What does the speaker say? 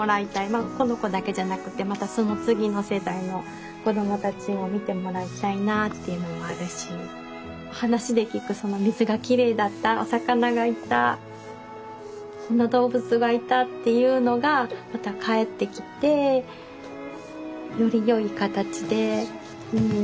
まあこの子だけじゃなくてまたその次の世代の子供たちにも見てもらいたいなあっていうのもあるし話で聞く水がきれいだったお魚がいたこんな動物がいたっていうのがまた帰ってきてよりよい形でうん。